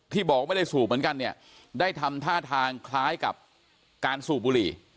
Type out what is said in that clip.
ที่บอกว่าไม่ได้สูบเหมือนกันเนี่ยได้ทำท่าทางคล้ายกับการสูบบุหรี่